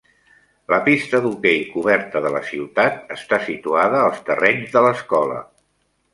La pista d'hoquei coberta de la ciutat està situada als terrenys de l'escola.